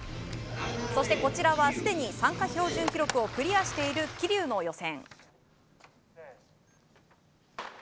そしてこちらはすでに参加標準記録をクリアしている桐生の予選。